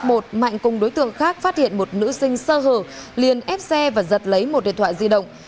mạnh cùng đối tượng khác phát hiện một nữ sinh sơ hở liền ép xe và giật lấy một điện thoại di động